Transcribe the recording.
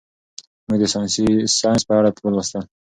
موږ د ساینس په اړه ولوستل.